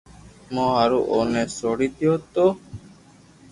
مون ھارو اي نو سوڙي دو تو